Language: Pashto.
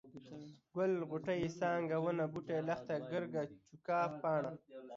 ګل، غوټۍ، څانګه ، ونه ، بوټی، لښته ، ګرګه ، چوکه ، پاڼه،